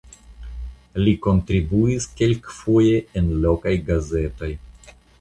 Li kontribuis kelkfoje en lokaj gazetoj.